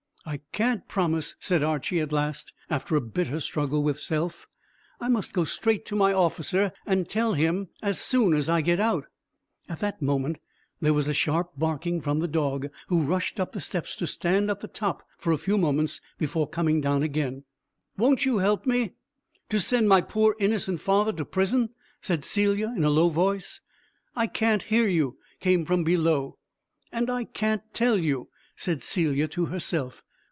"I can't promise," said Archy at last, after a bitter struggle with self. "I must go straight to my officer and tell him as soon as I get out." At that moment there was a sharp barking from the dog, who rushed up the steps to stand at the top for a few moments before coming down again. "Won't you help me?" "To send my poor innocent father to prison," said Celia in a low voice. "I can't hear you," came from below. "And I can't tell you," said Celia to herself.